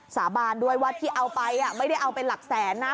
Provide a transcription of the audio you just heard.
สาบานด้วยว่าที่เอาไปไม่ได้เอาไปหลักแสนนะ